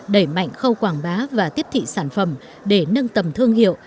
đẩy mạnh khâu quảng bá và tiếp thị sản phẩm để nâng tầm thương hiệu